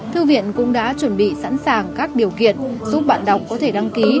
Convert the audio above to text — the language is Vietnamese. thư viện cũng đã chuẩn bị sẵn sàng các điều kiện giúp bạn đọc có thể đăng ký